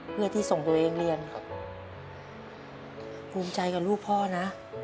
เพื่อที่ส่งตัวเองเรียน